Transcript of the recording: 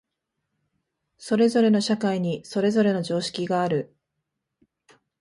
それぞれの社会にそれぞれの常識がある。